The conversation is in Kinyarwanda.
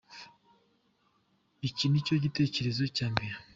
Icyo ni cyo nyitekerezaho cya mbere.